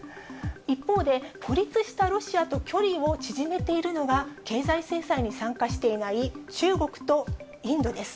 一方で、孤立したロシアと距離を縮めているのが、経済制裁に参加していない中国とインドです。